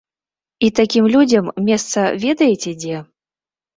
І такім людзям месца ведаеце дзе.